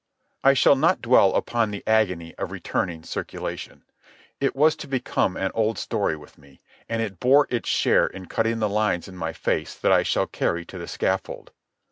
I shall not dwell upon the agony of returning circulation. It was to become an old story with me, and it bore its share in cutting the lines in my face that I shall carry to the scaffold.